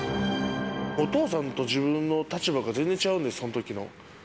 お父さんと自分の立場は全然違うんです、そのときの。